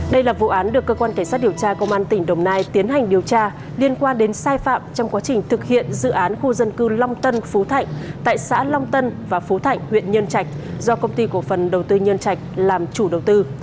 đây là vụ án được cơ quan cảnh sát điều tra công an tỉnh đồng nai tiến hành điều tra liên quan đến sai phạm trong quá trình thực hiện dự án khu dân cư long tân phú thạnh tại xã long tân và phú thạnh huyện nhân trạch do công ty cổ phần đầu tư nhân trạch làm chủ đầu tư